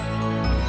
terima kasih tante